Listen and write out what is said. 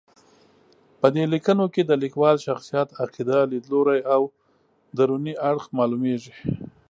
په دې لیکنو کې د لیکوال شخصیت، عقیده، لید لوری او دروني اړخ معلومېږي.